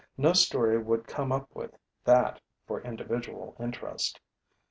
No story would come up with that for individual interest.